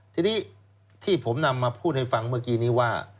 ทีนี้ที่ผมนำมาพูดให้ฟังเมื่อกี้นี้ว่า